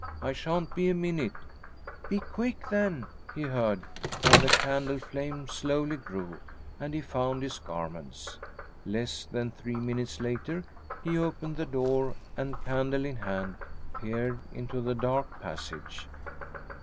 I shan't be a minute." "Be quick then!" he heard, while the candle flame slowly grew, and he found his garments. Less than three minutes later he opened the door and, candle in hand, peered into the dark passage.